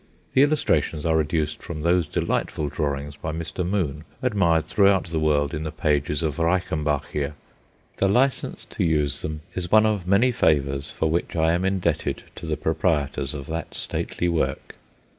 The illustrations are reduced from those delightful drawings by Mr. Moon admired throughout the world in the pages of "Reichenbachia." The licence to use them is one of many favours for which I am indebted to the proprietors of that stately work.